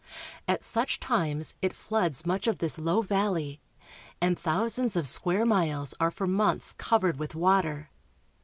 At such times it floods much of this low valley, and thousands of square miles are for months cov ered with water.